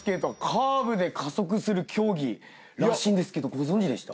カーブで加速する競技らしいんですけどご存じでした？